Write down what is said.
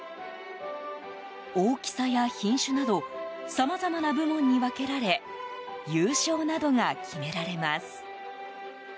大きさや品種などさまざまな部門に分けられ優勝などが決められます。